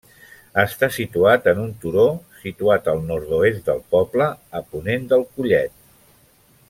Està situat en un turó situat al nord-oest del poble, a ponent del Collet.